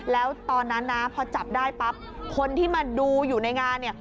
แล้วตอนนั้นนะพอจับได้ปั๊บคนที่มาดูอยู่ในงานเนี่ย